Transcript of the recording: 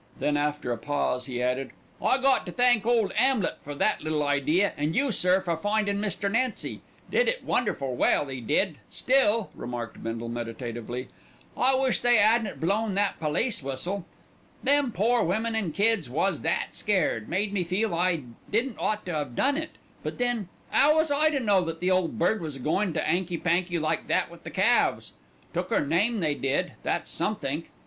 Then after a pause he added, "I got to thank Ole 'Amlet for that little idea, and you, sir, for findin' Mr. Nancy. Did it wonderful well, 'e did; still," remarked Bindle meditatively, "I wish they 'adn't blown that police whistle. Them pore women an' kids was that scared, made me feel I didn't ought to 'ave done it; but then, 'ow was I to know that the Ole Bird was goin' to 'anky panky like that with Calves. Took 'er name they did, that's somethink.